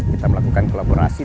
kita melakukan kolaborasi